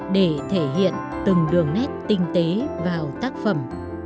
để thể hiện từng đường nét tinh tế vào tác phẩm